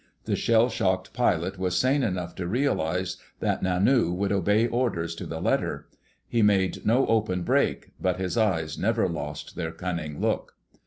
The shell shocked pilot was sane enough to realize that Nanu would obey orders to the letter. He made no open break, but his eyes never lost their cunning look.